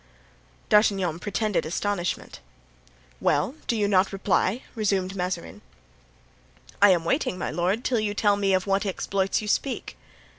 D'Artagnan pretended astonishment. "Well, you do not reply?" resumed Mazarin. "I am waiting, my lord, till you tell me of what exploits you speak."